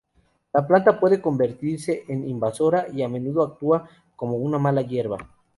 La planta puede convertirse en invasora y, a menudo, actúa como una mala hierba.